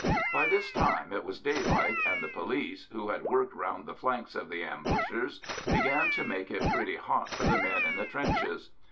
By this time it was daylight, and the police, who had worked round the flanks of the ambushers, began to make it pretty hot for the men in the trenches.